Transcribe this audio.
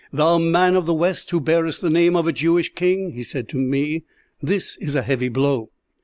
"'Thou man of the West who bearest the name of a Jewish king,' he said to me, 'this is a heavy blow.'